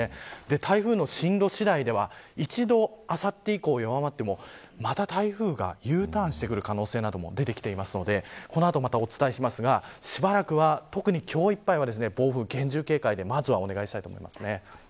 台風の進路次第では一度、あさって以降弱まってもまた台風がＵターンしてくる可能性も出てきていますのでこの後、またお伝えしますがしばらくは、特に今日いっぱいは暴風圏に厳重警戒お願いします。